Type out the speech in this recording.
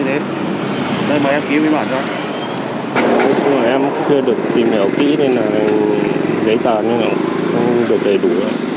em chưa được tìm hiểu kỹ nên là giấy tờ không được đầy đủ